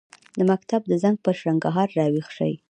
د مکتب د زنګ، په شرنګهار راویښ شي